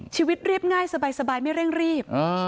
เรียบง่ายสบายไม่เร่งรีบ